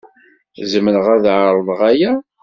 Zemreɣ ad ɛerḍeɣ aya?